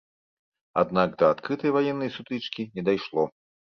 Аднак да адкрытай ваеннай сутычкі не дайшло.